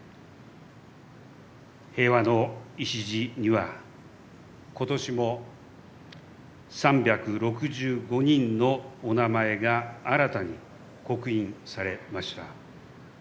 平和の礎には今年も３６５人の御名前が新たに刻印されました。